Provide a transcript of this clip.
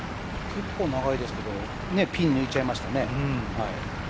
結構、長いですけどピン抜いちゃいましたね。